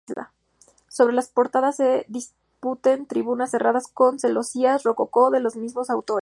Sobre las portadas se disponen tribunas cerradas con celosías rococó de los mismos autores.